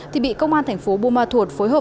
thì bị công an tp bumathua phối hợp